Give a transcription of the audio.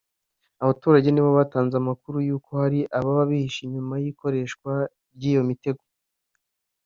Abaturage nibo batanze amakuru y’uko hari ababa bihishe inyuma y’ikoreshwa ry’iyo mitego